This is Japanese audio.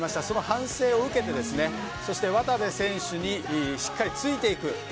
その反省を受けてそして渡部選手にしっかりついていく。